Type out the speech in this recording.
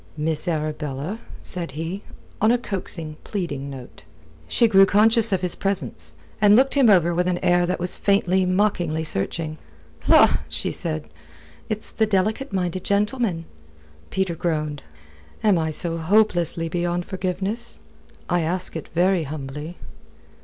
"Miss Arabella," said he, on a coaxing, pleading note. She grew conscious of his presence, and looked him over with an air that was faintly, mockingly searching. "La!" said she. "It's the delicate minded gentleman!" Peter groaned. "Am I so hopelessly beyond forgiveness? I ask it very humbly."